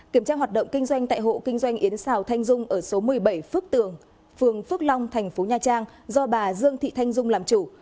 kiểm tra hoạt động kinh doanh tại hộ kinh doanh yến xào thanh dung ở số một mươi bảy phước tường phường phước long thành phố nha trang do bà dương thị thanh dung làm chủ